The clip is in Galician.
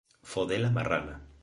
Fode-la marrana